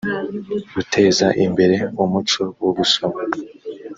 guteza imbere umuco wo gusoma